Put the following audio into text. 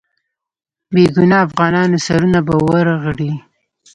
بې ګناه افغانانو سرونه به ورغړي.